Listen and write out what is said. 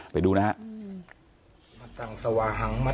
ไปดูนะฮะ